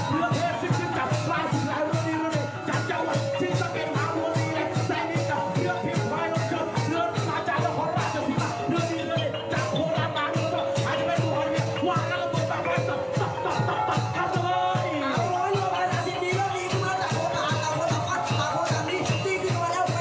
เดินทางมาร่วมการแข่งขันชิงถ้วยพระราชธานมากมาย